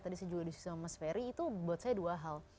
tadi saya juga diskusi sama mas ferry itu buat saya dua hal